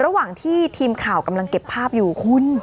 ระหว่างที่ทีมข่าวกำลังเก็บภาพอยู่คุณ